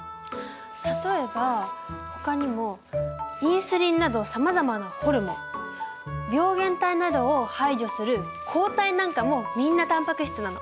例えばほかにもインスリンなどさまざまなホルモン病原体などを排除する抗体なんかもみんなタンパク質なの。